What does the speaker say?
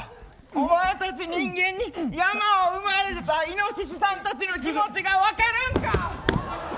私、人間に山を奪われたイノシシさんたちの気持ちが分かるんか！